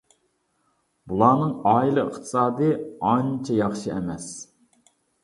بۇلارنىڭ ئائىلە ئىقتىسادىي ئانچە ياخشى ئەمەس.